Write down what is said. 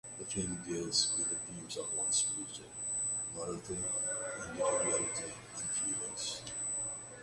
The film deals with the themes of one's future, morality, individuality, and feelings.